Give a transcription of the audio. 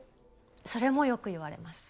それもよく言われます。